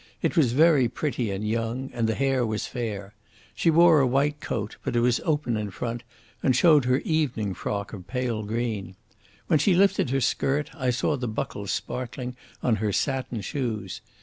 It was very pretty and young, and the hair was fair. She wore a white coat, but it was open in front and showed her evening frock of pale green. When she lifted her skirt I saw the buckles sparkling on her satin shoes.